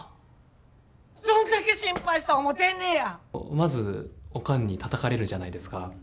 まずおかんにたたかれるじゃないですか。